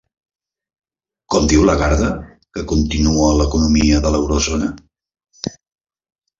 Com diu Lagarde que continua l'economia de l'eurozona?